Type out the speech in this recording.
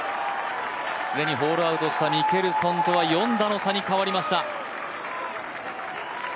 既にホールアウトしたミケルソンとは４打の差に変わりました。